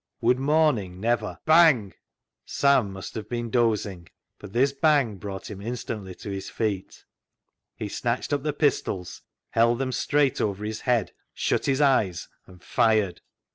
Would morning never — Bang ! Sam must have been dozing, but this bang brought him instantly to his feet. He snatched up the pistols, held them straight over his head, "THE ZEAL OF THINE HOUSE" 339 shut his eyes, and fired.